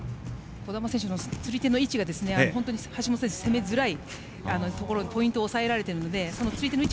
児玉選手の釣り手の位置が橋本選手は攻めづらいポイントを抑えられているので。